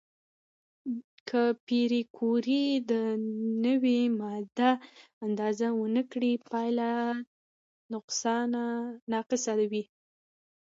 که پېیر کوري د نوې ماده اندازه ونه کړي، پایله ناقصه وي.